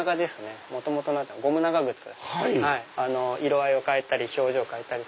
元々ゴム長靴色合いを変えたり表情を変えたり。